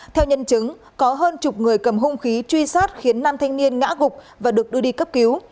theo nhân chứng có hơn chục người cầm hung khí truy sát khiến nam thanh niên ngã gục và được đưa đi cấp cứu